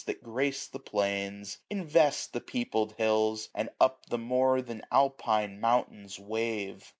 That gra/:e the plains, invest the peopled hills. And up the more than Alpine mountains wave.